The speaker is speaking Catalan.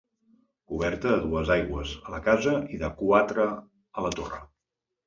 Coberta a dues aigües a la casa i de quatre a la torre.